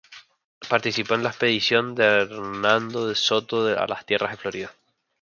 Participó en la expedición de Hernando de Soto a las tierras de Florida.